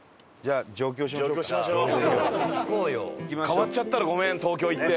変わっちゃったらごめん東京行って。